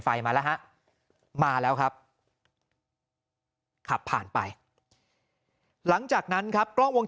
มาแล้วฮะมาแล้วครับขับผ่านไปหลังจากนั้นครับกล้องวง